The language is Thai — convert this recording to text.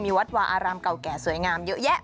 วัดวาอารามเก่าแก่สวยงามเยอะแยะ